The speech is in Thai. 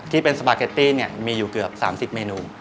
ที่เป็นสปาเกตตี้มีอยู่เกือบ๓๐เมนู